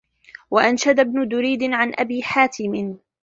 وَأَنْشَدَ ابْنُ دُرَيْدٍ عَنْ أَبِي حَاتِمٍ